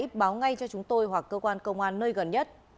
hãy báo ngay cho chúng tôi hoặc cơ quan công an nơi gần nhất